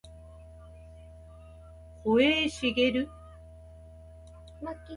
保栄茂